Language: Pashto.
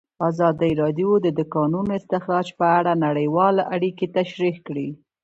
ازادي راډیو د د کانونو استخراج په اړه نړیوالې اړیکې تشریح کړي.